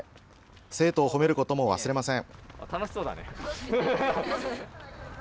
生徒を褒めることも忘れません。